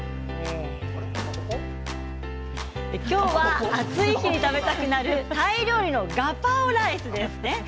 今日は暑い日に食べたくなるタイ料理のガパオライスです。